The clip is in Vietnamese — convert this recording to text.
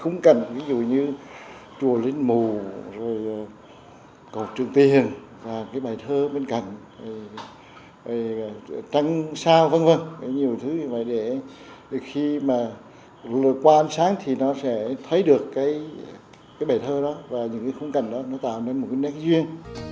nhiều thứ như vậy để khi mà lượt qua ánh sáng thì nó sẽ thấy được bài thơ đó và những khung cảnh đó tạo nên một nét duyên